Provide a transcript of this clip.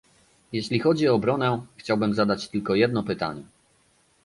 Jeśli chodzi o obronę, chciałbym zadać tylko jedno pytanie